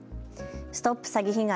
ＳＴＯＰ詐欺被害！